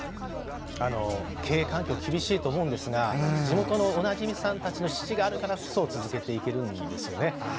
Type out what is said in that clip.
経営環境は厳しいと思うんですが地元のおなじみさんたちの支持があるからこそ続けていけるんですよね。